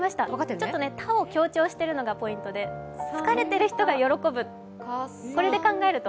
ちょっと「タ」を強調してるのがポイントで疲れてる人が喜ぶ、これで考えると。